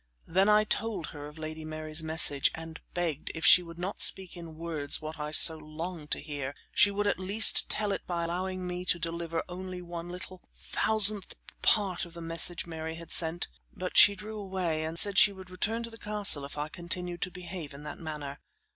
Then I told her of Lady Mary's message, and begged, if she would not speak in words what I so longed to hear, she would at least tell it by allowing me to deliver only one little thousandth part of the message Mary had sent; but she drew away and said she would return to the castle if I continued to behave in that manner.